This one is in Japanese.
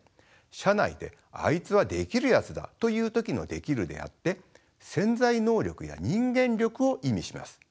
社内で「あいつはできるやつだ」というときの「できる」であって潜在能力や人間力を意味します。